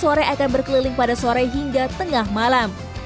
seseorang yang sudah berkeliling dari atas sehari hingga tengah malam